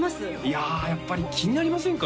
いやあやっぱり気になりませんか？